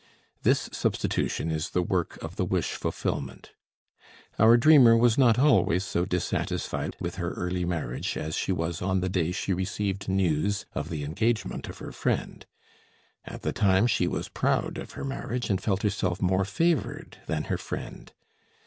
This substitution is the work of the wish fulfillment. Our dreamer was not always so dissatisfied with her early marriage as she was on the day she received news of the engagement of her friend. At the time she was proud of her marriage and felt herself more favored than her friend.